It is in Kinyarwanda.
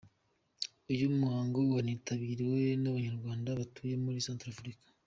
Uyu muhango wanitabiiriwe n’abanyarwanda batuye muri Centrafrique.